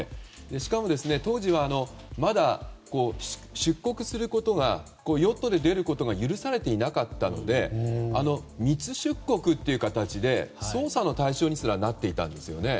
しかも当時はまだ出国することがヨットで出ることが許されていなかったので密出国という形で捜査の対象にすらなっていたんですよね。